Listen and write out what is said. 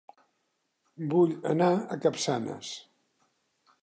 Vull anar a Capçanes